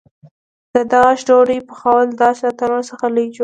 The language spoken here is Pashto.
د داش ډوډۍ پخولو داش له تنور څخه لوی جوړېږي.